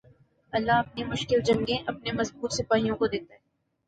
اللہ اپنی مشکل جنگیں اپنے مضبوط سپاہیوں کو دیتا ہے